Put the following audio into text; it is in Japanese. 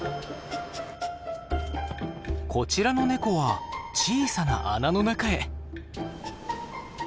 こちらのネコは小さな穴の中へ。